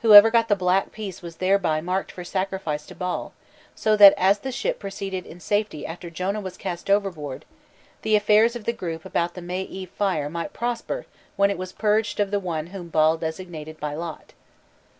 Whoever got the black piece was thereby marked for sacrifice to Baal, so that, as the ship proceeded in safety after Jonah was cast overboard, the affairs of the group about the May Eve fire might prosper when it was purged of the one whom Baal designated by lot.